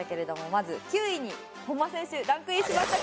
まず９位に本間選手ランクインしました。